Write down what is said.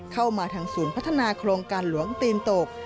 เข้ามาทางศูนย์พัฒนาโครงการหลวงตีนตก